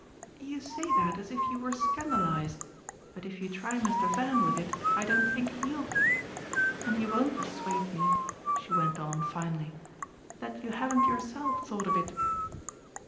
"You say that as if you were scandalised, but if you try Mr. Van with it I don't think he'll be. And you won't persuade me," she went on finely, "that you haven't yourself thought of it."